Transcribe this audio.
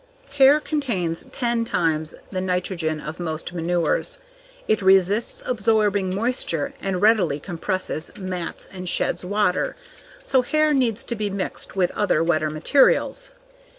_ _Hair _contains ten times the nitrogen of most manures. It resists absorbing moisture and readily compresses, mats, and sheds water, so hair needs to be mixed with other wetter materials.